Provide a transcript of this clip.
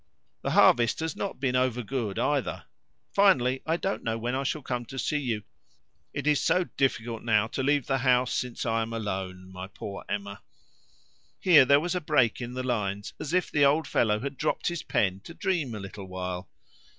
The harvest has not been overgood either. Finally, I don't know when I shall come to see you. It is so difficult now to leave the house since I am alone, my poor Emma." Here there was a break in the lines, as if the old fellow had dropped his pen to dream a little while.